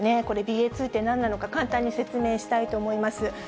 これ、ＢＡ．２ってなんなのか、簡単に説明したいと思います。